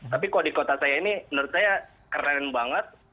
tapi kalau di kota saya ini menurut saya keren banget